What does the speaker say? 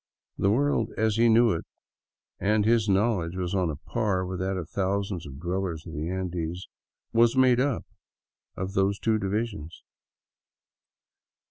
The world, as he knew it — and his knowledge was on a par with that of thousands of dwellers in the Andes — was made up of those two divisions.